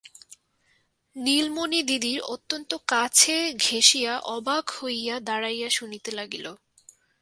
নীলমণি দিদির অত্যন্ত কাছে ঘেঁষিয়া অবাক হইয়া দাঁড়াইয়া শুনিতে লাগিল।